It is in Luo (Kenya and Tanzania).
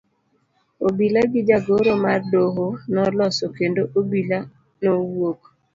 Obila gi jagoro mar doho noloso kendo obila nowuok.